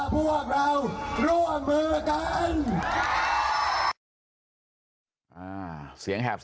เพิ่งเริ่มต้น